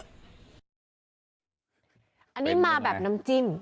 อันนี้มาแบบน้ำจิ้ม